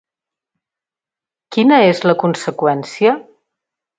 Quina és la conseqüència?